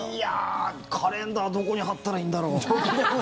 カレンダーどこに貼ったらいいんだろう。